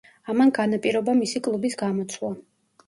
ამან განაპირობა მისი კლუბის გამოცვლა.